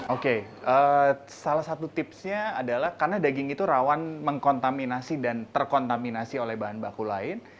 oke salah satu tipsnya adalah karena daging itu rawan mengkontaminasi dan terkontaminasi oleh bahan baku lain